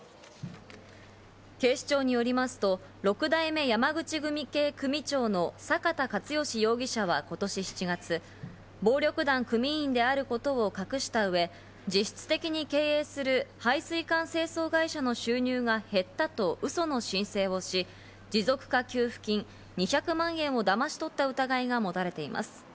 警視庁によりますと六代目山口組系組長の坂田勝良容疑者は今年７月、暴力団組員であること隠した上、実質的に経営する配水管清掃会社の収入が減ったとうその申請をし、持続化給付金２００万円をだまし取った疑いが持たれています。